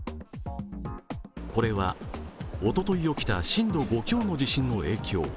これは、おととい起きた震度５強の地震の影響。